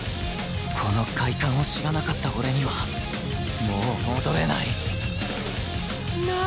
この快感を知らなかった俺にはもう戻れない！何！？